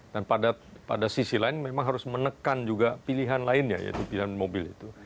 dan pada sisi lain memang harus menekan juga pilihan lainnya yaitu pilihan mobil itu